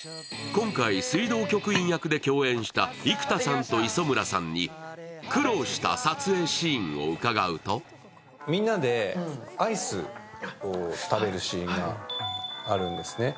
今回、水道局員役で共演した生田さんと磯村さんに苦労した撮影シーンを伺うとみんなでアイスを食べるシーンがあるんですね。